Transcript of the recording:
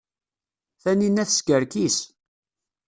Taninna teskerkis.